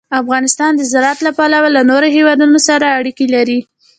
افغانستان د زراعت له پلوه له نورو هېوادونو سره اړیکې لري.